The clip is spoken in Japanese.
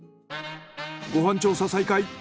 ご飯調査再開。